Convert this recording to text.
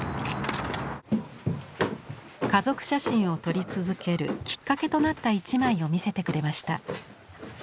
家族写真を撮り続けるきっかけとなった一枚を見せてくれました。